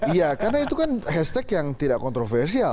iya karena itu kan hashtag yang tidak kontroversial